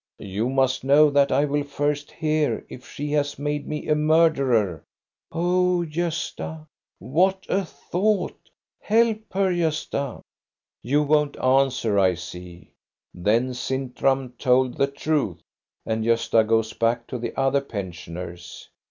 " You must know that I will first hear if she has made me a murderer." " Oh, Gosta, what a thought ! Help her, Gosta! " "You won't answer, I see. Then Sintram told the truth." And Gosta goes back to the other pen sioners.